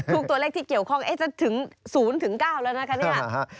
ถูกตัวเลขที่เกี่ยวข้องจะถึง๐ถึง๙แล้วนะครับ